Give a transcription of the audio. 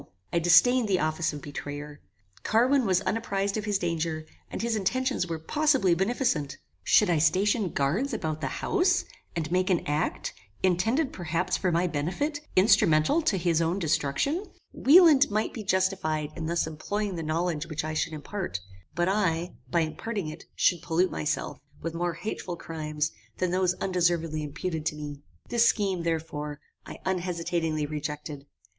I disdained the office of betrayer. Carwin was unapprized of his danger, and his intentions were possibly beneficent. Should I station guards about the house, and make an act, intended perhaps for my benefit, instrumental to his own destruction? Wieland might be justified in thus employing the knowledge which I should impart, but I, by imparting it, should pollute myself with more hateful crimes than those undeservedly imputed to me. This scheme, therefore, I unhesitatingly rejected.